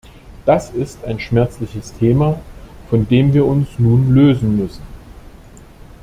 Das ist ein schmerzliches Thema, von dem wir uns nun lösen müssen.